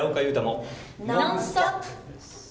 「ノンストップ！」。